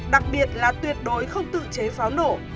đặc biệt là tuyệt đối không tự chế pháo nổ